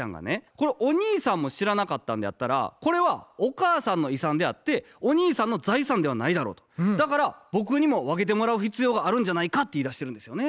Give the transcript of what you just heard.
「これお兄さんも知らなかったんであったらこれはお母さんの遺産であってお兄さんの財産ではないだろう」と「だから僕にも分けてもらう必要があるんじゃないか」って言いだしてるんですよね。